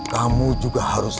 kamu juga harus rela